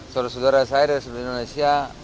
seorang saudara saya dari sebuah indonesia